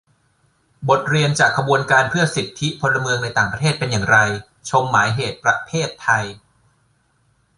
บทเรียนจากขบวนการเพื่อสิทธิพลเมืองในต่างประเทศเป็นอย่างไร - ชม หมายเหตุประเพทไทย